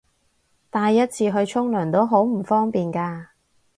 帶一次去沖涼都好唔方便㗎